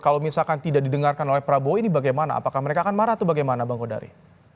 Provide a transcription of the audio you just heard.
kalau misalkan tidak didengarkan oleh prabowo ini bagaimana apakah mereka akan marah atau bagaimana bang kodari